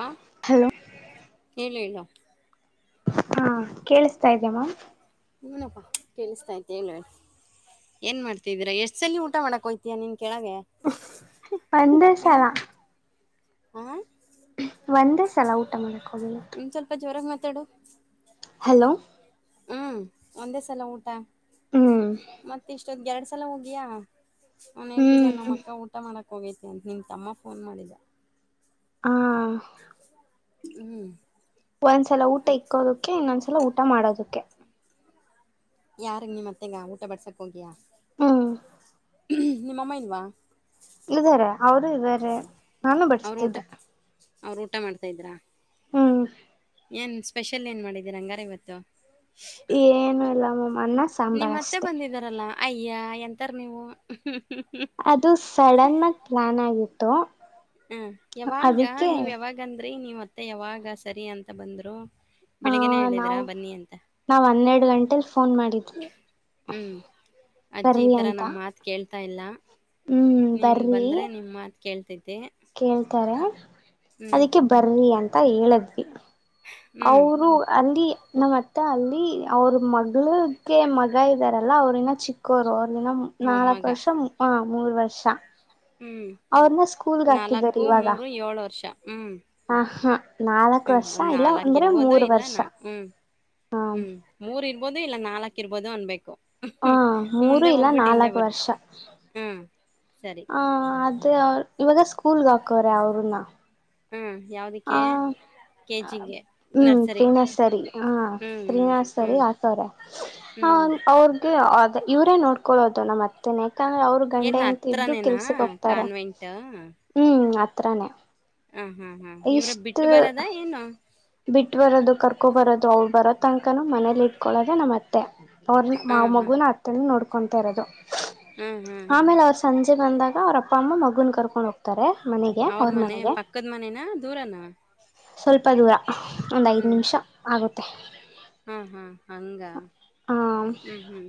ಹ ಹಲೋ ಹೇಳಲ್ಲ ಇಲ್ಲ ಹಾ ಕೇಳಿಸತಾ ಇದ್ಯಮ್ಮ ಹನಪ್ಪಾ ಕೇಳಿಸತಾಯತಿ ಹೇಳ ಹೇಳಿ ಏನ್ ಮಾಡ್ತಿದ್ದೀರಾ ಎಷ್ಟ ಸಲ ಊಟ ಮಾಡಕ್ ಹಯ್ತೀಯ ನಿನ್ ಒಂದೇ ಸಲ ಹಾ ಒಂದೇ ಸಲ ಊಟ ಮಾಡಕ್ ಹೋಗಿಲ್ಲ ತಡು ಹಲೋ ಹ್ಮ್ ಒಂದೇ ಸಲ ಊಟ ಹ್ಮ್ ಮತ್ತ ಇಷ್ಟೊದ ಎರಡ್ ಸಲ ಹೋಗಿಯಾ ಅವಾನು ಹೇಳ್ತಿದ್ದೆ ನಮ್ಮ ಹ್ಮ್ ಅಕ್ಕ ಊಟ ಮಾಡಕ್ಕೆ ಹೋಗೈತೆ ಅಂತ ನಿನ್ನ ತಮ್ಮ ಫೋನ್ ಮಾಡಿದ್ದ ಹಾ ಹ್ಮ್ ಒಂದ್ಸಲ ಊಟ ಇಕ್ಕೋದಕ್ಕೆ ಇನ್ನೊಂದ್ಸಲ ಊಟ ಮಾಡೋದಕ್ಕೆ ಯಾರ ನೀ ಮತ್ತೆಗ ಊಟ ಬಡ್ಸಕ್ ಹೋಗಿಯಾ ಹಾ ನಿಮ್ಮಮ್ಮ ಇಲ್ವಾ ಇದಾರೆ ಅವರು ಇದ್ದಾರೆ ನಾನು ಬಡಿಸತಿದ್ದೆ ಅವರು ಊಟ ಮಾಡ್ತಾ ಇದ್ರಾ ಹ್ಮ್ ಏನು ಸ್ಪೆಷಲ್ ಏನು ಮಾಡಿದ್ದೀರ ಅಂಗಾರ ಇವತ್ತು ಏನುೂ ಇಲ್ಲ ಮಮ್ಮ ನಿಮ್ಮತ್ತೆ ಬಂದಿದಾರಲ್ಲ ಅಯ್ಯ ಎಂತಾರ ನೀವು ಅದು ಸಡನ್ ಆಗ ಪ್ಲಾನ್ ಆಗಿತ್ತು ಹ್ಮ ಯಾವಾಗ ಅದಕ್ಕೆ ನೀವ್ ಯಾವಾಗಂದ್ರಿ ನೀವ ಮತ್ತೆ ಯಾವಾಗ ಸರಿ ಅಂತ ಬಂದ್ರು ಹ ಬೆಳಿಗ್ಗೆನೆ ಹೇಳಿದ್ರಾ ನಾವವು್ ಬನ್ನಿ ಅಂತ ನಾವ್ ಹನ್ನೆರಡು ಗಂಟಲಿ ಫೋನ್ ಮಾಡಿದ್ವಿ ಹ್ಮ್ ಅಜ್ಜಿ ಬರ್ರಿ ಈತರ ಅಂತ ನಮ್ ಮಾತ್ ಕೇಳ್ತ ತ ಇಲ್ಲ ಹ್ಮ್ ನೀನ್ ಬರ್ರಿ ಬಂದ್ರೆ ನಿಮ್ಮ ಮಾತು ಕೇಳ್ತತಿ ಕೇಳ್ತಾರೆ ಅದಕ್ಕೆ ಬರ್ರಿ ಅಂತ ಹೇಳದ್ವಿ ಹ್ಮ್ ಅವರು ಅಲ್ಲಿ ನಮ್ಮತ್ತೆ ಅಲ್ಲಿ ಅವ್ರ ಮಗ್ಕ್ಕೆ ಮಗ ಇದಾರಲ್ಲಾ ಅವ್ರನ್ನ ಚಿಕ್ಕೋರು ಅವರು ಅ ನಾಕು ಮೊಮ್ಮಗ ವರ್ಷ ಹ ಮೂರು ವರ್ಷಾ ಹ್ಞೂ ನಾಲ್ಕು ಇವಾಗ ಮೂರು ಏಳು ವರ್ಷ ಹ್ಞೂ ಹ ಹಾ ನಾಲ್ಕ್ ಹ್ಮ್ ವರ್ಷ ಒಂದ್ ಇಲ್ಲ ನಾಲ್ಕ್ ಅಂದ್ರೆ ಇರ್ಬೋದು ಮೂರ್ ಇಲ್ಲ ವರ್ಷ ನ ಹ್ಮ್ ಹ ಹ್ಮ್ ಮೂರ್ ಇ ಇಬೋುದು ಇಲ್ಲ ನಾಲ್ಕಕ್ ಇರ್ಬೋದು ಅನ್ಬೇಕು ಹ ಮೂರು ಮುಂದೆ ಇಲ್ಲ ಹೋಗ್ಬಿಟ್ಟು ಹಿಂದೆ ಬರ್ತ ಹ್ಮ ಹ ಅದೇ ಅವ ಇವಾಗ ಸ್ಕೂಲ್ಗೆ ಹಾಕೋ್ರೆ ಅವರುನ್ನ ಹ್ಮ್ ಯಾವದಕ್ಕೆ ಕೆ ಜಿಗೆ ಹ್ಮ್ ನರ್ಸರಿ ಪ್ರೀನಾ ಸರಿ ಹ ಹ್ಮ್ ಹ್ಮ್ ಪ್ರೀನಾ ಸರಿ ಹ್ಮ್ ಆತವ್ರ ಹ ಹ್ಮ್ ಅವರದೂ ಅದೇ ಇವರೇ ನೋಡ್ಕೊಳ್ಳೋದು ನಮ್ಮ ಅತ್ತೆನೆ. [unintelligible] ಗೊತ್ತ ಅವರ ಗಂಡ ಎಲ್ಲ ಹೆಂಡತಿ ಇಬ್ರು ಹತ್ರನೇನಾ ಕೆಲಸಕ್ಕೆ ಹೋಗ್ತಾರೆ ಕಾನ್ವೆಂಟ್ ಹೂ ಆತರಾನೆ. [unintelligible] ಹ ಹಾ ಹಾ ಇವ್ರ ಇಷ್ಟ ಬಿಟ್ಟು ಬರದ [unintelligible] ಏನು ಬಿಟ್ಟ ಬರೋದು ಕರ್ಕೊ ಬರೋದು ಅವರ ಬರೋ ತನಕನೂ ಮನೇಲಿ ಇಟ್ಕೊಳೋದ ನಮ್ಮ ಅತ್ತೆ. ಅವರನ ಬಿಟ್ಟ ಮಾ ಹಾ ಮಗುನ ಅತ್ತೆನೆ ನೋಡ್ಕೊತಾ ಇರೋದು. [unintelligible] ಹು ಹು ಆಮೇಲೆ ಅವ್ರು [unintelligible] ಸಂಜೆ ಬಂದಾಗ ಅವರ ಅಪ್ಪ ಅಮ್ಮ ಮಗನ್ನ ಕರ್ಕೊಂಡು ಹೋಗ್ತಾರೆ. [unintelligible] ಅವರ ಅವ್ರ ಮನೆ ಮನೆಗೆ ಪಕ್ಕದ ಮನೆ ನಾ ದೂರನಾ? [unintelligible] ಒಂದು ಐದು ನಿಮಿಷ ಆಗುತ್ತೆ. [unintelligible] ಹ ಹಾ ಹಂಗಾ ಹ ಹು ಹು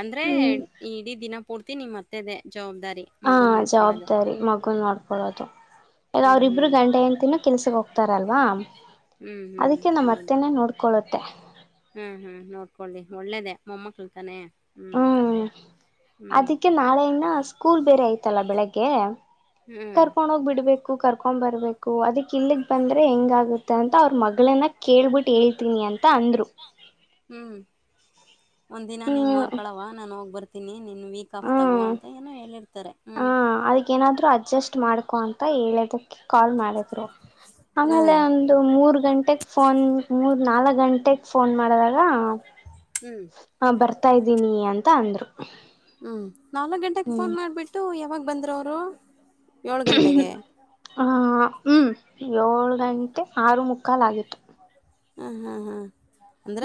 ಅಂದ್ರೆ ಹ್ಮ್ ಇಡೀ ದಿನ [unintelligible] ಪೂರ್ತಿ ನಿಮ್ಮ ಅತ್ತೆದೆ. [unintelligible] ಆ ಮಗುನ್ ನೋಡ್ಕೊಳ್ಳೋದು ಜವಾಬ್ದಾರಿ ಮಗುನ್ ನೋಡ್ಕೊಳೋದು. [unintelligible] ಹ್ಮ್ ಅವರ ಇಬ್ಬರು ಹ್ಮ್ ಗಂಡ ಹೆಂಡತಿ ಕೆಲಸಕ್ಕೆ ಹೋಗ್ತಾರಲ್ವಾ? [unintelligible] ಹ್ಮ್ ಹ್ಮ್ ಅದಕ್ಕೆ ನಮ್ಮ ಅತ್ತೆನೆ ನೋಡ್ಕೊಳ್ಳುತ್ತೆ. [unintelligible] ಹು ಹು ನೋಡ್ಕೊಳ್ಳಿ ಒಳ್ಳೇದೇ ಮೊಮ್ಮಕ್ಳ ತಾನೇ. ಹ ಹು ಅದಕ್ಕೆ ನಾಳೆಯನ್ನ ಸ್ಕೂಲ್ ಬೇರೆ ಐತಲ್ಲ ಬೆಳಗ್ಗ [unintelligible] ಹ್ಮ್ ಕರ್ಕೊಂಡ ಹೋಗಿ ಬಿಡ್ಬೇಕು ಕರ್ಕೊಂಡ್ ಬರ್ಬೇಕು ಅದಕ್ಕೆ ಇಲ್ಲಿಗ ಬಂದೆ. [unintelligible] ಅದೇ ಹೆಂಗಾಗುತ್ತೆ ಅಂತ ಅವರ ಮಗಳನ್ನ ಕೇಳ್ಬಿಟ್ಟು ಹೇಳ್ತೀನಿ ಅಂತ ಅಂದ್ರು. [unintelligible] ಒಂದ್ ದಿನ ನೀನ್ ಹ್ಮ್ ನೋಡ್ಕಳವ ನಾನ್ ಹೋಗ್ ಬರ್ತೀನಿ. ನೀ ವೀಕ್ ಆಫ್ ತಗೋ ಹ್ಮ್ ಅಂತ ಏನೋ ಹೇಳಿರ್ತಾರೆ ಹೂ ನನ್ ಹತ್ರ ಅಡ್ಜಸ್ಟ್ ಮಾಡ್ಕೊ ಅಂತ ಹೇಳ [unintelligible] ಕಾಲ್ ಮಾಡಿದ್ರು ಆಮೇಲೆ ಹ್ಮ್ ಒಂದು ಮೂರ್ ಗಂಟೆಕ್ಕ ಫೋನ್ ಮೂರ [unintelligible] ನಾಲ್ಕ ಗಂಟೆಗೆ ಫೋನ್ ಮಾಡದಾಗ ಹ್ಮ್ [unintelligible] ಹಾ ಬರ್ತಾ ಇದ್ದೀನಿ ಅಂತ ಅಂದ್ರು. [unintelligible] ನಾಲ್ಕ ಗಂಟೆಗೆ ಫೋನ್ ಮಾಡಿಬಿಟ್ಟು ಯಾವಾಗ ಬಂದರ ಅವರು ಏಳು ಗಂಟೆಗೆ. [unintelligible] ಹೂ ಏಳ ಗಂಟೆ ಆರು ಮುಕ್ಕಾಲ ಆಗಿತ್ತು. [unintelligible] ಹ ಹ ಹ [unintelligible]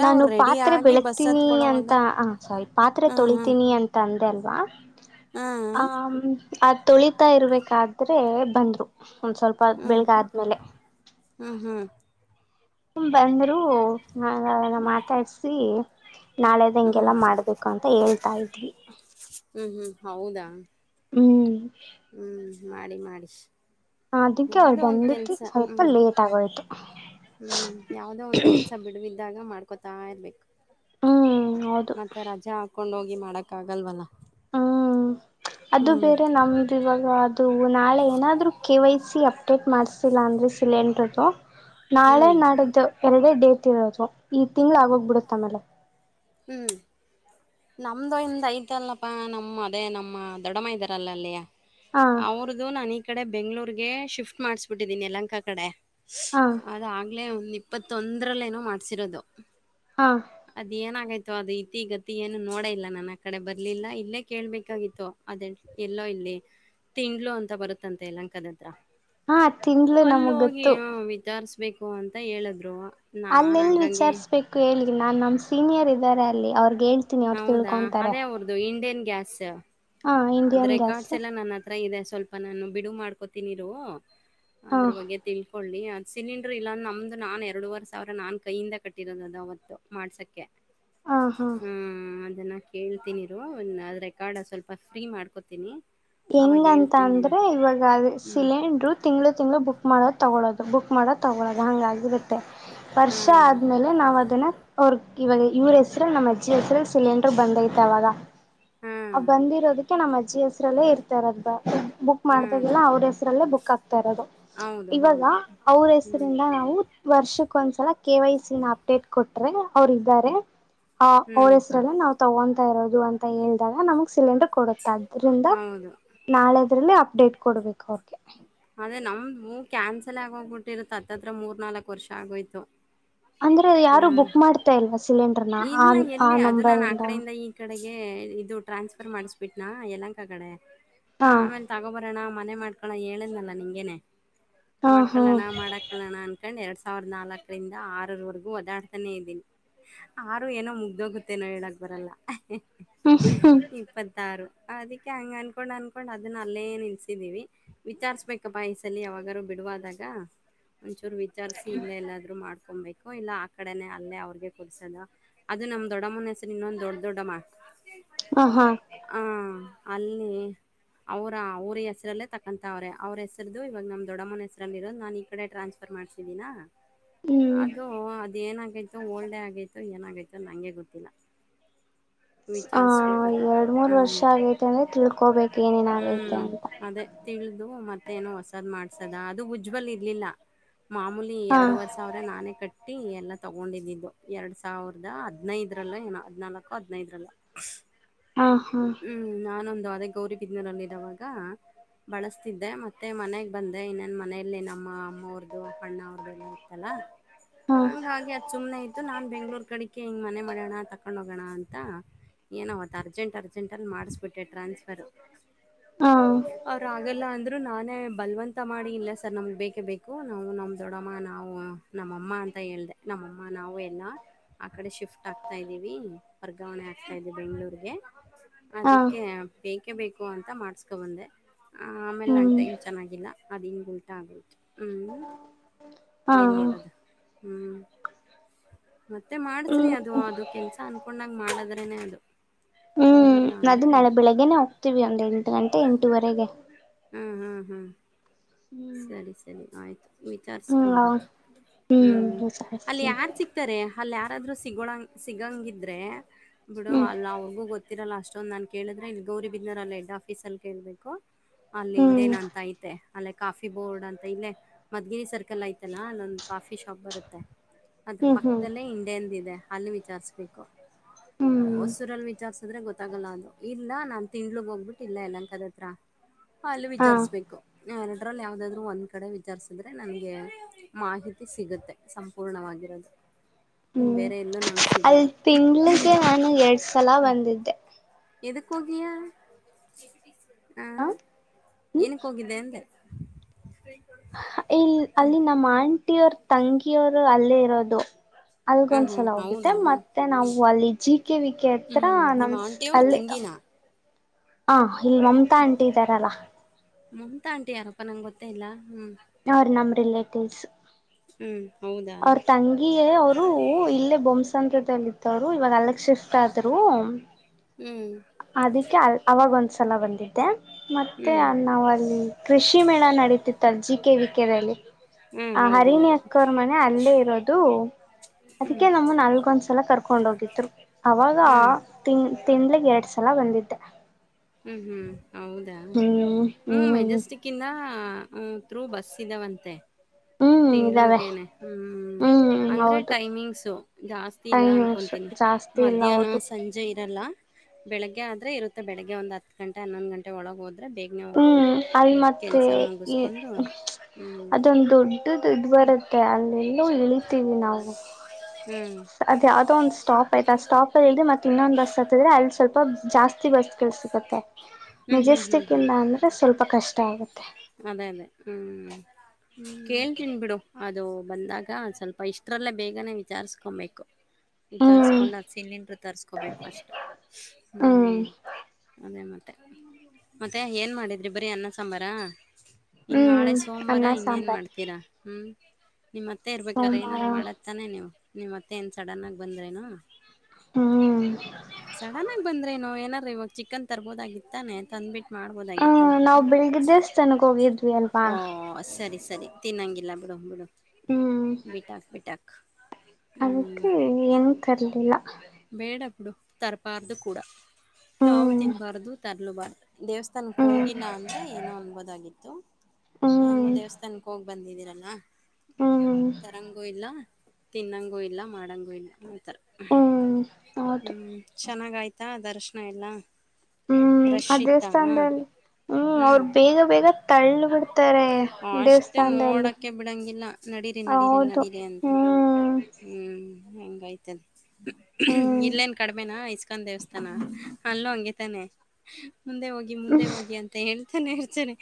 ನಾನು ಪಾತ್ರೆ ಬೆಳಕ್ತೀನಿ ಅಂತ ಹತ್ಕೊಳ್ಳೋವಾಗ ಆ ಸ್ವಾರಿ ಪಾತ್ರೆ ಹ್ಮ್ ಹ್ಮ್ ತೊಳಿತೀನಿ ಅಂತ ಅಂದೆ [unintelligible] ವಾ ಆ ಹ್ಮ್ ಅತೊಳಿತಾ ಇರರ್ಬೇಕಾದ್ರೆ ಬಂದ್ರು. [unintelligible] ಒಂದ್ ಸ್ವಲ್ಪ ಹ್ಮ್ ಹ್ಮ್ ಬೆಳಗ್ ಆದ್ಮೇಲೆ. ಹ್ಮ್ ಹ್ಮ್ [unintelligible] ಹು ಬಂದ್ರು ನನಗ ಅವಾಗ ಮಾತಾಡ್ಸಿ. [unintelligible] ನಾಳೆದ ಹಂಗೆಲ್ಲ ಹ್ಮ್ ಮಾಡ್ಬೇಕು ಅಂತ ಹೇಳ್ತಾ ಇದ್ವಿ. [unintelligible] ಹು ಹು ಹೌದಾ? [unintelligible] ಹು [unintelligible] ಮಾಡಿಸ [unintelligible] ಅದಕ್ಕೆ ಅವರ ಬಂದ ಬಿಟ್ಟ ಸ್ವಲ್ಪ ಲೇಟ್ ಆಗೋಯ್ತು. [unintelligible] ಹು ಯಾವದೋ ಒಂದ್ ಕೆಲಸಾ ಬಿಡಬಿದ್ದಾಗ ಮಾಡ್ಕೊತಾ ಇರ್ಬೇಕು. [unintelligible] ಹ್ಮ್ ಹೌದು ಮತ್ತೆ ರಜಾ ಹಾಕೊಂಡ್ ಹೋಗಿ ಮಾಡಕ್ ಆಗಲ್ವಲ್ಲ. [unintelligible] ಹ ಅದು ಹ್ಮ್ ಬೇರೆ ನಮ್ದು ಇವಾಗ? [unintelligible] ಅದು ನಾಳೆ ಏನಾದರೂ ಕೆ ವೈ ಸಿ ಅಪ್ಡೇಟ್ ಮಾಡಿಸ್ತಿಲ್ಲ ಅಂದರೆ ಸಿಲಿಂಡ್ರದು. [unintelligible] ನಾಳೆ ಹ್ಮ್ ನಾಡ್ದು ಎರಡೇ ಡೇಟ್ ಇರೋದು ಈ ತಿಂಗಳ ಆಗೋಗ್ಬಿಡುತ್ತ ಆಮೇಲೆ [unintelligible] ಹು [unintelligible] ನಮ್ದು ಒಂದ್ ಐತಲ್ಲಪಾ ನಮ್ಮ ಅದೇ ನಮ್ಮ ದೊಡ್ಡಮ್ಮ ಇದಾರಲ್ಲ ಅಲ್ಲಿ ಹಾ [unintelligible] ಅವ್ರದು ನಾನು ಈ ಕಡೆ ಬೆಂಗಳೂರ ಗೆ ಶಿಫ್ಟ್ ಮಾಡ್ಸಬಿಟ್ಟಿದೀನಿ ಯಲಂಕಾ ಕಡೆ. ಹಾ [unintelligible] ಅದ ಆಗಲೇ ಇಪ್ಪತ್ತೊಂದ ರಲ್ಲಿ ಏನೋ ಮಾಡಸಿರೋದು. [unintelligible] ಹಾ ಅದ ಏನ ಆಗ್ಯಾತಿ [unintelligible] ಅದು ಇತಿಗತಿ ಏನು ನೋಡೆ ಇಲ್ಲ ನಾನ ಆ ಕಡೆ ಬರ್ಲಿಲ್ಲ ಇಲ್ಲೇ ಕೇಳ್ಬೇಕಾಗಿತ್ತು ಅದೆ ಎಲ್ಲೋ ಇಲ್ಲ [unintelligible] ತೆ ತಿಂಗಳು ಅಂತ ಅಂತ ಬರುತ್ತಂತೆ ಯಲಹಂಕ ಹತ್ರ [unintelligible] ಹಾ ತಿಂಗಳು ನಮಗ್ ಗೊತ್ತು. [unintelligible] ಹು ಅಂತ ಹೇಳಿದ್ರು ಅವ್ವ [unintelligible] ಅಲ್ಲಿಲ್ ವಿಚಾರಸಬೇಕು ಹೇಳಿ ನಾನ್ ನಮ್ ಸೀನಿಯರ್ ಇದಾರೆ ಅಲ್ಲಿ ಅವ್ರಗ್. ಹೇಳ್ತೀನಿ ಅವ್ರು ಹೌದಾ ತಿಳ್ಕೊಂತಾರೆ ಅದೇ ಅವರದು ಇಂಡಿಯನ್ ಗ್ಯಾಸ್. ಹಾ ಅದ ಇಂಡಿಯನ್ ಗ್ಯಾಸ್ ರೆಕಾರ್ಡ್ಸ್ ಎಲ್ಲಾ ನನ್ನ ಹತ್ರ ಇದೆ ಅಷ್ಟ್. ಸ್ವಲ್ಪಾ ನಾನು ಬಿಡು ಮಾಡ್ಕೊತೀನಿರು ಹಾ ಅದ್ರ ಬಗ್ಗೆ ತಿಳ್. ಕೊಳಿ ಅದ್ ಸಿಲಿಂಡರ್ ಇಲ್ಲ ಅಂದ ನಮ್ದು ನಾನ್ ಎರಡೂವರೆ ಸಾವಿರ ನಾನ್ ಕೈಯಿಂದ ಕಟ್ಟಿರೋದ ಅದು ಅವತ್ತು ಮಾಡ್ಸಕ್ಕೆ. ಹಾ ಹಾ ಹ್ಮ ಅದನ್ನ ಕೇಳ್ತಿನಿರು ಅದ ರೆಕಾರ್ಡ್ ಸ್ವಲ್ಪ. ಫ್ರೀ ಮಾಡ್ಕೊತೀನಿ. ಹೆಂಗಂತ ಅಂದ್ರೆ ಇವಾಗ ಅದ ಹ್ಮ್ ಸಿಲಿಂಡ್ರು ತಿಂಗ್ಳ ತಿಂಗ್ಳ ಬುಕ್ ಮಾಡೋದು ತಗಳೋದು ಬುಕ್. ಮಾಡೋದ ತಗೊಳದು ಹಂಗಾಗಿರುತ್ತೆ ವರ್ಷಾ ಹಾಂ ಆದ್ಮೇಲೆ ನಾವ್ ಅದನ್ನ ಅವರ್. ಇವಾಗ ಇವ್ರ ಹೆಸ್ರಲ್ಲಿ ನಮ್ಮ ಅಜ್ಜಿ ಹೆಸ್ರಲ್ಲಿ ಸಿಲಿಂಡ್ರ ಬಂದೈತೆ ಅವಾಗ ಹಾಂ ಆ ಬಂದಿರೋದಕ್ಕ. ಕೆ ನಮ್ಮ ಅಜ್ಜಿ ಹೆಸರಲ್ಲೇ ಇರ್ತರೋದ ಬ ಬುಕ್ ಹಾಂ ಮಾಡ್ದಾಗೆಲ್ಲ ಅವ್ರ ಹೆಸ್ರಲ್ಲೇ ಬುಕ್ ಆಗ್ತಾ ಇರೋದು. ಹೌದು ಇವಾಗ ಹೌದು ಅವ್ರ ಹ್ಞೂ ಹೆಸರಿಂದ ನಾವು ವರ್ಷಕ್ ಒಂದ್ಸಲ ಕೆ ವೈ ಸಿ ನ ಅಪ್ಡೇಟ್. ಕೊಟ್ರೆ ಅವ್ರ ಇದ್ದಾರೆ ಆ ಹ್ಞೂ ಅವ್ರ ಹೆಸರಲ್ಲೇ ನಾವ ತಗೊ. ತಾ ಇರೋದು ಅಂತ ಹೇಳಿದಾಗ ನಮಗ್ ಸಿಲಿಂಡರ್ ಕೊಡುತ್. ದ್ರಿಂದಾ ಹೌದು ನಾಳೆದ್ರಲ್ಲಿ ಅಪ್ಡೇಟ್ ಕೊಡ್ಬೇಕ ಅವ್ರ. ಅದೇ ನಮ್ದ್ ವು ಕ್ಯಾನ್ಸಲ್ ಆಗೋಗ್ಬಿಟ್ಟಿರುತ್ತ ಹತ್ತತ್ರ ಮೂರ್ ನಾಲ್ಕಕ್ ವರ್ಷ ಆಗೋಯ್ತು. ಅಂದ್ರೆ ಯಾರು ಬುಕ್ ಮಾಡ್ತಾ ಇಲ್ವಾ ಸಿಲಿಂಡ್. ಇಲ್ಲಾ ಎಲ್ಲಿ ಅದು ನಾನು ಆ ಕಡೆಯಿಂದ ಈ ಕಡೆಗೆ. ಇದು ಟ್ರಾನ್ಸ್ಫರ್ ಮಾಡಿಸ್ಬಿಟ್ನಾ ಯಲಹಂಕ ಕಡೆ ಹಾ ಆಮೇಲೆ ತಗೋಬರಣಾ. ಮನೆ ಮಾಡ್ಕೊಳ್ಳೋ ಹೇಳುದ್ನಲ್ಲ ನಿಮ್ಗೆನೇ ಹಾ ಹಾ ಮಾಡ್ಕಳ್ಳಣ ಮಾಡಾಕಳ್ಳಣ ಅನ್ಕೊಂಡ್ ಎರಡ್ ಸ. ಸಾವಿರದ ನಾಲ್ಕರಿಂದ ಆರರವರೆಗೂ ಓದಾಡ್ತಾನೆ ಇದ್ದೀನಿ. ಆರು ಏನೋ ಮುಗ್ದೋಗುತ್ತೆನೋ ಹೇಳಕ್ಕ ಬರಲ್ಲ ಹ್ಮ್ ಹ್ಮ್ ಇಪ್ಪತ್ತಾರು. ಅದಿಕೆ ಹಂಗ ಅನ್ಕೊಂಡ್ ಅನ್ಕೊಂಡ್ ಅದನ್ನ ಅಲ್ಲೇ ನಿಲ್ಸಿದೀವಿ ವಿಚಾರಸ ಬೆಕಪ್ಪ ಈಸ. ದಲ್ಲಿ ಯಾವಾಗಾರು ಬಿಡುವಾದಾಗ ಒಂಚೂರ್ ವಿಚಾರಿಸಿ ಇಲ್ಲೆ ಎಲ್ಲಾದ್ರು ಮಾಡ್ಕ್. ಕೋಂಬೇಕು ಇಲ್ಲಾ ಆ ಕಡೆನೆ ಅಲ್ಲೇ ಅವ್ರಿಗೆ ಕುಡ್ಸೋದು. ಅದು ನಮ್ ದೊಡಮ್ಮನ್ ಹೆಸರು ಇನ್ನೊಂದ್ ದೊಡ್ಡ ದೊಡ್ಡಮ್ಮ ಹ ಹಾ ಹಾ. ಅಲ್ಲಿ. ಅವ್ರ ಅವ್ರ ಹೆಸರಲ್ಲೇ ತಕ್ಕಂತವ್ರೇ ಅವ್ರ ಹೆಸರದು ಇವಾಗ ನಮ್ ದೊಡಮ್ಮನ ಹೆಸರಲ್ಲಿ ಇರೋದು ನಾನ್ ಈ ಕಡೆ ಟ್ರಾನ್ಸ್ಫರ್. ಮಾಡ್ಸಿದಿನಾ ಹ್ಮ್ ಅದು ಅದೇನಾಗೈತೋ ಓಲ್ಡ್ ಆಗೈತ. ಏನಾಗೈತೋ ನಂಗೆ ಗೊತ್ತಿಲ್ಲಾ. ಆ ಎರಡ್ ಮೂರ್ ವರ್ಷ ಆಗೈತೆ ಅಂದ್ರೆ ತಿಳ್ಕೋಬೇಕ. ಏನೇನ್ ಆಗೈತೆ ಹ್ಮ್ ಅಂತ ಅದೇ ತಿಳಿದು ಮತ್ತೆ. ಮತ್ತೆನೋ ಹೊಸಾದ್ ಮಾಡ್ಸದಾ ಅದು ಉಜ್ವಲ್ ಇರ್ಲಿಲ್ಲ ಮಾಮೂಲಿ ಹಾ ಎರಡುವರೆ ಸಾವ್ರಾ ನಾನೇ ಕಟ್ಟಿ. ಟ್ಟಿ ಎಲ್ಲಾ ತಗೊಂಡಿದ್ದಿದ್ದು ಎರಡ್ ಸಾವಿರದಾ ಹದ್ನೈದರಲ್ಲೊ ಏನೋ ಹದಿನಾಲ್ಕ ಹದಿನೈದರಲ್ಲೊ. ಹಾ ಹಾ ಹ್ಮ್ ನಾನೊಂದು ಅದೇ ಗೌರಿ. ಇದ್ನೂರಲ್ಲಿ ಇರವಾಗ ಬಳಸ್ತಿದ್ದೆ ಮತ್ತೆ ಮನೆಗ್ ಬಂದೆ ಇನ್ನೇನ್ ಮನೆಯಲ್ಲಿ ನಮ್ಮ. ಅವ್ರದು ಅಣ್ಣಾ ಅವ್ರ್ದುಲ್ಲಾ ಇತ್ತಲ್ಲಾ. ಹಾ ಹಂಗಾಗಿ ಅದ್ ಸುಮ್ನೆ ಇತ್ತು ನಾನ್ ಬೆಂಗ್ಳೂರು ಕಡಿಕೆ ಹಿಂಗ್ ಮನೆ. ಮಾಡಣಾ ಅಂತಾ ತಕೊಂಡೊಗನಾ ಅಂತ ಏನೊ ಅವತ್ತು ಅರ್ಜೆಂಟ್ ಅರ್ಜೆಂಟ ಅಲ್ಲಿ ಮಾಡಿಸ್ಬಿಟ್ಟೆ ಟ್ರಾನ್ಸ್ಫರು. [inaudible] ಹಾ. ಅವ್ರ ಆಗಲ್ಲ ಅಂದ್ರು ನಾನೇ ಬಲವಂತಾ ಮಾಡಿ ಇಲ್ಲಾ ಸರ್ ನಮ್ಗೆ ಬೇಕೇ ಬೇಕು ನಾವು ನಮ್ ದೊಡಮ್ಮ ನಾವು. ನಮ್ಮಮ್ಮಾ ಅಂತ ಹೇಳ್ದೆ ನಮ್ಮಮ್ಮ ನಾವು ಎಲ್ಲಾ. ಆಕಡೆ ಶಿಫ್ಟ್ ಆಗ್ತಾ ಇದೀವಿ ವರ್ಗಾವಣೆ ಆಗ್ತಾ ಇದೆ ಬೆಂಗಳೂರ್ಗೆ. ಹಾ ಅದಕ್ಕೆ ಬೇಕ್. ಬೇಕೆ ಬೇಕು ಅಂತ ಮಾಡ್ಸ್ಕೊ ಬಂದೆ ಆಮೇಲೆ ನನ್ ಹ್ಮ್ ಟೈಮ್ ಚೆನ್ನಾಗಿಲ್ಲ ಅದು ಹಿಂಗ್ ಉಲ್ಟಾ ಆಗೋಯ್ತು. ಹ್ಞ ಹಾ ಏನ್ ಮಾಡೋದು ಹ್ಮ್. ಮತ್ತೆ ಮಾಡಸ್ರಿ ಹ್ಮ್ ಅದು ಅದು ಕೆಲ್ಸ ಅನ್ಕೊಂಡಂಗ ಮಾಡದ್ರೇನೆ ಅದು. ಹ್ಮ್ ಮಾಡಿಲ್ಲ ಅದ ಅಂದರೆ ನಾಳೆ ಬೆಳಗ್ಗೆನೆ ಹೋಗ್ತೀವಿ ಒಂದ್ ಎಂಟ್ ಗಂಟೆ ಎಂಟುವರೆಗೆ. ಹ್ಮ್ ಹ್ಮ್ ಹ್ಮ್ ಸರಿ ಸರಿ ಆಯ್ತು. ಹ್ಮ್ ವಿಚಾರ್ಸ್ಕೊಂಬ ಹ್ಮ್ ಅಲ್ಲಿ ಯಾರ್ ಸಿಕ್ತಾರೆ ಅಲ್ಲಿ ಯ ಯಾದ್ರೂ ಸಿಗೋಳಂಗ ಸಿಗಂಗ ಇದ್ರೆ ಬಿಡು ಹ್ಮ್ ಅಲ್ಲ ಅವ್ರಿಗೂ ಗೊತ್ತಿರಲ್ಲ ಅಷ್ಟ ಅಷ್ಟೊಂದು ನಾನನ್ ಕೇಳಿದ್ರೆ ಇಲ್ಲಿ ಗೌರಿಬಿದನರ್ ಅಲ್ಲಿ ಹೆಡ್ ಆಫೀಸ್ ಅಲ್ಲಿ ಕೇಳ್ಬೇಕು ಅಲ್ಲಿ ಹ್ಮ್ ಇಂಡೇನ ಅಂತ ಐತೆ ಅಲ್ಲೇ ಕಾಫಿ ಬೋರ್ಡ್ ಅಂತ ಇಲ್ಲೇ ಮದ್ಗಿರಿ ಸರ್ಕಲ್ ಐ್ತಲ್ಲಾ ಅಲ್ಲೊಂದು ಕಾಫಿ ಶಾಪ್ ಬರುತ್ತೆ ಅದ್ರ ಹ್ಮ್ ಹ್ಮ್ ಪಕ್ಕದಲ್ಲೇ ಹಂಡೆಂದ ಇದೆ ಅಲ್ಲಿ ವಿಚಾರ್ಸ್ಬೇಕು ಹ್ಮ್ ಹೊಸೂರಲ್ಲಿ ವಿಚಾರ್ಸಿದ್ರೆ ಗೊತ್ತ ತಗಲ್ಲ ಅದು ಇಲ್ಲ ನಾನ್ ತಿನ್ಗ್ ಹೋಗ್ಬಿಟ್ಟ ಇ ಎಲ್ಲಂಕದತ್ರ ಅಲ್ಲಿ ಹಾ ವಿಚಾರ್ಸ್ಬೇಕು ಯ ಅದರಲ್ಲಿ ಯಾವದಾದ್ರು ಒಂದ್ ಕಡೆ ವಿಚಾರಿಸಿದ್ರೆ ನಂಗೆ ಮಾಹಿತಿ ಸಿಗುತ್ತೆ ಸಂಪೂರ್ಣವಾಗಿರೋದು ಇನ್ನು ಹ್ಮ್ ಬೇರೆ ಎಲ್ಲೂ ನಂಗೆ ಅಲ್ಲಿ ಸಿಗಲ್ಲ ತಿಂಳಿಗೆ ನಾನು ಎರಡ್ ಸಲ ಬಂದಿದ್ದೆ ಎದಕ್ಕೋಗಿಯಾ ಆ ಹ ಹ್ಮ್ ಏನಕ್ಕೆೋಗಿದೆೆ ಅಂದೆ ಇಲ್ ಅಲ್ಲಿ ನಮ್ಮ ಆಂಟಿ ಅವರ್ ತಂಗಿಯವರು ಅಲ್ಲೇ ಇರೋದು ಹಾಂ ಹಾಂ ಅಲ್ಗೊಂದ್ಸಲ ಹೋಗುತ್ತೆ ಹೌದಾ ಹ್ಞೂ ಮತ್ತೆ ನಾವು ಅಲ್ಲಿ ಜ ಕೆ ವಿಕೆ ಹತ್ರ ನಮ ನಿಮ್ಮ ಆಂಟಿಯವ್ರ ಅಲ್ಲಿ ತಂಗಿನಾ ಹ ಇಲ್ ಮಮತಾ ಆಂಟಿ ಇದ್ದಾರಲ್ಲ ಅಪ್ಪ ನಂಗೆ ಗೊತ್ತೇ ಇಲ್ಲ ಹ್ಞೂ ಅವ್ರ ನಮ್ಮ ರಿಲೇಟಿವ್ಸ್ ಹ್ಮ್ ಅವ್ರ ತಂಗಿಯ ಅವರು ಇಲ್ಲೇ ಬೊಂಬಸಂತತಲಿ ಇತ್ತವ್ರು ಇವಾಗ ಅ ಶಿಫ್ಟ್ ಆದ್ರು ಹ್ಮ್ ಅದಕ್ಕೆ ಅ ಅವಾಗ ಒಂದ್ಸಲ ಬಂದಿದ್ದೆ ಹ್ಞೂ ಮತ್ತೆ ನಾವ್ಲ್ಲಿ ಕೃಷಿ ಮೇಳ ನಡೀತಿತ್ತಲ್ ಜ ಕೆ ವಿಕಲ್ಲಿ ಹ್ಞೂ ಆ ಹರಿಣಿ ಹೌದೌದು ಅಕ್ಕರ್ ಮನೆ ಅಲ್ಲೇ ಇರೋದು ಹ್ಮ್ ಅದಕ್ಕೆ ನಮ್ಮ ನಲ್ಗೊಂದ್ಸಲ ಕರ್ ಕಕೊಂಡ ಹೋಗಿದ್ರು ಅವಾಗ ಹ್ಮ್ ತಿನ್ ತಿನ್ಗ್ ಎರಡ್ ಸಲ ಬಂದಿದ್ದೆ ಹ್ಮ್ ಹ್ಮ್ ಹೌದಾ ಹ್ಮ್ ಮೆಜೆಸ್ಟಿಕ್ ಇಂದ ಹತ್ರು ಬಸ್ ಇದಾವಂತೆ ಹ್ಮ್ ಇದ್ದಾವೆ ತಿನ್ಲುಗೇನೆ ಹ್ಮ್ ಹ್ಮ್ ಅಂದ್ರೆ ಹೌದು ಟೈಮಿಂಗ್ಸು ಜಾಸ್ತಿ ಇಲ್ಲ ಟೈಮಿಂಗ್ಸ್ ಅನ್ಕೊತೀನಿ ಜಾಸ್ತಿ ಇಲ್ಲ ಮಧ್ಯಾಹ್ನ ಹೌದು ಸಂಜೆ ಇರಲ್ಲ ಬೆಳಿಗ್ಗೆ ಆದ್ರೆ ಇರುತ್ತೆ ಬೆಳಗ್ಗೆ ಒಂದ್ ಹತ್ ಗಂಟೆ ಹನ್ನೊಂದು ಗಂಟೆ ಒಳಗೆ ಹೋದ ಹ್ಮ್ ಅಲ್ ಮತ್ತೆ ಮುಗಿಸ್ಕೊಂಡು ಹ್ಞೂ ಅದೊಂದು ದೊಡ್ದು ಇದದು ಬರುತ್ತೆ ಅಲ್ಲೆಲ್ಲೂ ಇಳಿತೀವಿ ನಾವು ಹ್ಞೂ ಅದ ಯಾವ್ದೋ ಒಂದ ಸ್ಟಾಪ್ ಆಯ್ತಾ ಆ ಸ್ಟಾಪ್ ಅಲ್ಲಿಲ್ ಮತ್ತತ್ ಇನ್ನೊಂದು ಬಸ್ ಹತ್ತದ್ರೆ ಅಲ್ಲಿ ಸ್ವಲ್ಪ ಜಾಸ್ತಿ ಬಸ್ಗಳು ಸಿಗುತ್ತೆ ಹ್ಮ್ ಹ್ಮ್ ಹ್ಮ್ ಇಲ್ಲ ಅಂದ್ರೆ ಸ್ವಲ್ಪ ಕಷ್ಟ ಆಗುತ್ತೆ ಅದೇ ಅದೇ ಹ್ಮ್ ಕೇಳ್ತೀನ್ಬಿಡು ಅದು ಬಂದಾಗ ಒಂದ ಸ್ವಲ್ಪ ಇಷ್ಟರಲ್ಲೇ ಬೇಗನೆ ವಿಚಾರಸ್ಕೊಂಬಬೇಕು ಹ್ಮ್ ವಿಚಾರ್ಸ್ಕೊಂಡು ಸಿಲಿಂಡರ್ ತರ್ಸ್ಕೊಬೇಕು ಫಸ್ಟ್ ಹ್ಮ್ ಅದೇ ಮತ್ತೆ ಮತ್ತೆ ಏನ್ ಮಾಡಿದ್ರಿ ಬರೀ ಅನ್ನ ಸಾಂಬಾರ ಇನ್ ಹ್ಮ್ ನಾಳೆ ಸೋಮವಾರ ಅನ್ನ ಇನ್ನೇನ್ ಸಾಂಬಾರ್ ಮಾಡ್ತೀರಾ ಹ್ಮ್ ನಿಮ್ಮ್ ಅತ್ತೆ ಇರ್ಬೇಕ್ರ ಏನಾದಾರು ಸೋಮವಾರ ಮಾಡತ್ತ್ತಾನೆ ನೀವವು ನಿಮ್ಮ್ ಅತ್ತೆ ಏನ್ ಸಡನ್ ಆಗಿ ಬಂದ್ರೇನು ಹ್ಮ್ ಸಡನ್ ಆಗ ಬಂದ್ರಿನು ಏನಾರೀ ಇವಾಗ ಚಿಕನ್ ತರ್ಬೋದಾಗಿತ್ತಾನೆ ತಂದ್ಬಿಟ್ಟು ಮಾಡ್ಬೋದಾಗಿತ್ತು ಹ ನಾವು ಹ್ಮ್. ಬೆಳಿಗ್ಗೆ ದೇವಸ್ಥಾನಕ್ಕೆ ಹೋಗಿದ್ವಿ ಅಲ್ಪಾ ಓ ಸರಿ ತಿನ್ನೊಂಗಿಲ್ಲ ಬಿಡು ಬಿಡು ಹ್ಮ್ ಬಿಟಾಕ್ ಬಿಟಾಕ [unintelligible] ಅದಕ್ಕೆ ನಿಂಗ ತರ್ಲಿಲ್ಲ ಬೇಡ ಬಿಡು ತರಬಾರ್ದು ಕೂಡ ನಾವು ಹ್ಮ್ ತಿನ್ನಬಾರ್ದು ತರಲಬಾರ್ದು ದೇವಸ್ಥಾನಕ್ಕೆ ಹ್ಮ್ ಹೋಗಿಲ್ಲ ಅಂದ್ರೆ ಏನೋ ಅನ್ಬೋದಾಗಿತ್ತು ಹ್ಮ್ ಹಂಗೂ ದೇವಸ್ಥಾನಕ್ಕೆ ಹೋಗಿ ಬಂದಿದೀರಲ್ಲ ಹ್ಮ್ ತರಂಗೂ ಇಲ್ಲ ತಿನ್ನಂಗೂ ಇಲ್ಲ ಮಾಡಂಗೂ ಇಲ್ಲ ಇತರ ಹ್ಮ್ ಹು ಹೌದು ಚೆನ್ನಾಗಾಯತಾ ದರ್ಶನ ಎಲ್ಲ ಹು ರಶ್ ಆ ಇತ್ತಾ ದೇವಸ್ಥಾನದಲ್ಲಿ ಹು ಅವ್ರ ಬೇಗ ಬೇಗ ತಳ್ಳ ಬಿಡ್ತಾ ಓ ಅಷ್ಟೆ ನೋಡಕ ಬಿಡಂಗಿಲ್ಲ ನಡೀರಿ ನಡೀರಿ ಹೌದು ನಡೀರಿ ಅಂತ ಹ್ಮ್ ಹು ಹಂಗೈತದ ಹ್ಮ್ ಇಲ್ಲೇನ್ ಕಡಿಮೆ ನಾ ಚಕ್ಕನಂದ ದೇವಸ್ಥಾನ ಅಲ್ಲು ಹಂಗೇ ತಾನೆ ಮುಂದೆ ಹೋಗಿ ಮುಂದೆ ಹೋಗಿ ಅಂತ ಹಳ್ ನೆ ಇರುತ್ತಾರೆ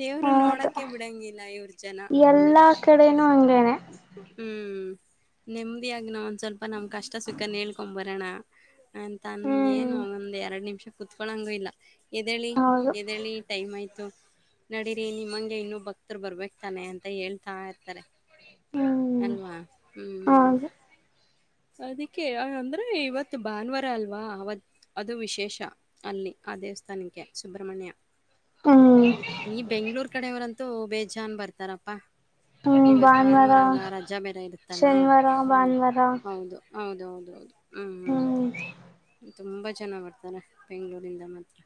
ದೇವ್ರು ಹೌದು ನೋಡಕ್- ಎಲ್ಲಾ ಕಡೆನೂ ಹಂಗೇನೆ ಹ್ಮ್ ನೆಮ್ಮದಿಯಾಗಿ ನಾವ ಒಂದ ಸ್ವಲ್ಪ ನಮ್ಮ ಕಷ್ಟ ಸುಕ್ಕನ ಹೇಳ್ಕೊಂಡು ಬರೋಣ ಅಂತನ್ ಹ್ಮ್ ಏನ್ ಒಂದ್ ಎರಡ್ ನಿಮಿಷ ಕುತ್ಕೊಳಂಗೂ ಇಲ್ಲ ಎದೆಳಿ ಹೌದು ಎದೆಳಿ ಟೈಮ್ ಆಯ್ತ. ಡೀರಿ ನಿಮ್ಮಂಗೆ ಇನ್ನು ಭಕ್ತರು ಬರ್ಬೇಕ್ತಾನೆ ಅಂತ ಹೇಳ್ತಾ ಇರ್ತಾರೆ. ಹ್ಮ್ ಅಲ್ವಾ ಹು ಹಾಗೆ ಅದಕ್ಕೆ ಅಂದ್ರೆ ಇವತ್ತು ಭಾನುವಾರ ಅಲ್ವಾ ಅವತ್ತ ಅದು ವಿಶೇಷ ಅಲ್ಲಿ. ಆ ದೇವಸ್ಥಾನಕ್ಕೆ ಸುಬ್ರಹ್ಮಣ್ಯ ಹ್ಮ್ ಈ ಬೆಂಗಳೂರ ಕಡವರಂತೂ ಬೇಜಾನ ಬರ್ತಾರಪ್ಪಾ ಇವತ್ತ ಭಾನುವಾರ ಅಲ್ಲ ರಜಾ ಬೇರೆ ಇರುತ್ತಲ್ಲಾ ಶನಿವಾರ ಹು ಭಾನುವಾರ ಹೌದು ಹೌದು ಹೌದು ಹು ಹ್ಮ್ ತುಂಬಾ ಜನ ಬರ್ತಾರೆ ಬೆಂಗಳೂರಿಂದ ಮಾತ್ರ